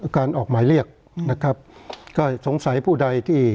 การออกหมายเรียกนะครับก็สงสัยผู้ใดที่